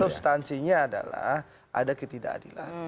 substansinya adalah ada ketidakadilan